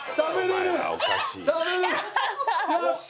よっしゃ！